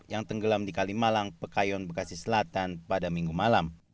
yang tenggelam di kalimalang pekayon bekasi selatan pada minggu malam